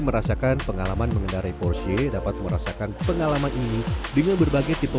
merasakan pengalaman mengendarai porsche dapat merasakan pengalaman ini dengan berbagai tipe